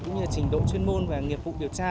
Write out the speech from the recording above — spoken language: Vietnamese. cũng như trình độ chuyên môn và nghiệp vụ điều tra